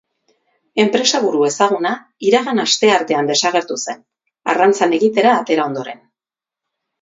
Enpresaburu ezaguna iragan asteartean desagertu zen, arrantzan egitera atera ondoren.